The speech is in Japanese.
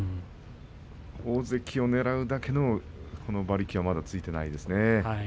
大関を、ねらうだけの馬力はまだついていませんね。